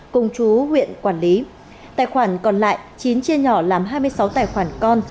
cùng chú huyện quản lý tài khoản còn lại chín chia nhỏ làm hai mươi sáu tài khoản con